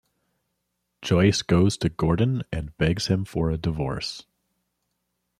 Joyce goes to Gordon and begs him for a divorce.